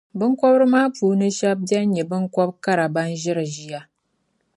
Biŋkɔbri maa puuni shεba beni n-nyɛ biŋkɔb’ kara ban ʒiri ʒiya.